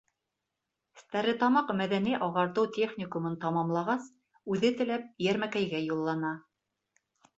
Стәрлетамаҡ мәҙәни-ағартыу техникумын тамамлағас, үҙе теләп Йәрмәкәйгә юллана.